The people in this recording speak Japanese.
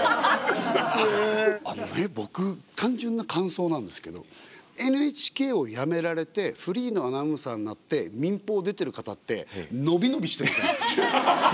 僕単純な感想なんですけどＮＨＫを辞められてフリーのアナウンサーになって民放出てる方って伸び伸びしてません？